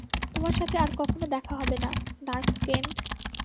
তোমার সাথে আর কখনও দেখা হবে না, নার্ক কেন্ট।